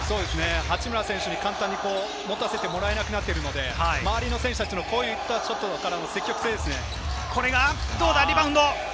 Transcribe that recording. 八村選手に簡単に持たせてもらえなくなってるので、周りの選手たちの外からの積極性ですよね。